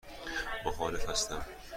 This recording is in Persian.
مخالف هستم.